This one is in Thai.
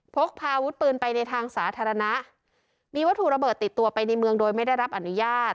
พกพาอาวุธปืนไปในทางสาธารณะมีวัตถุระเบิดติดตัวไปในเมืองโดยไม่ได้รับอนุญาต